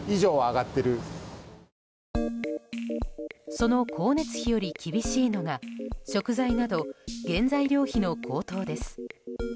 その光熱費より厳しいのが食材など原材料費の高騰です。